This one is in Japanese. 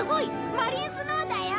マリンスノーだよ！